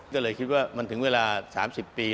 ก็เลยคิดว่ามันถึงเวลา๓๐ปี